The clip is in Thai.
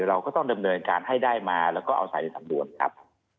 เราก็ต้องดำเนินการให้ได้มาแล้วก็เอาใส่สำนวนครับ